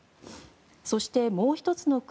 そして、もう１つの国